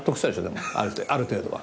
でもある程度は。